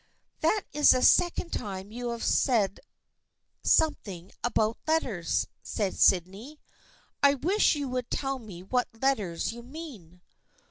" That is the second time you have said some thing about letters," said Sydney. " I wish you would tell me what letters you mean."